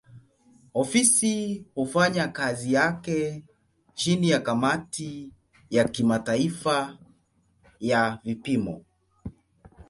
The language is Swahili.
Ofisi hufanya kazi yake chini ya kamati ya kimataifa ya vipimo.